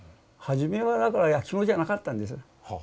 初めはだからやきものじゃなかったんです。